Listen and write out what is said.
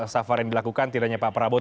safar yang dilakukan tidak hanya pak prabowo